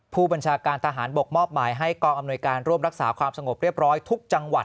ผู้บัญชาการทหารบกมอบหมายให้กองอำนวยการร่วมรักษาความสงบเรียบร้อยทุกจังหวัด